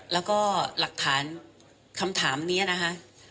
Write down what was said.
แล้วก็หลักฐานคำถามนี้นะคะ